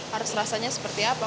harus rasanya seperti apa